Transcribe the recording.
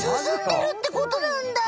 でるってことなんだ！